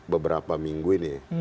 beberapa minggu ini